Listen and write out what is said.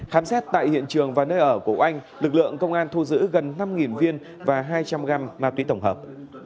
khám xét tại hiện trường và nơi ở của oanh lực lượng công an thu giữ gần năm viên và hai trăm linh g ma túy tổng hợp